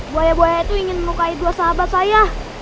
boya boya itu ingin melukai dua sahabat saya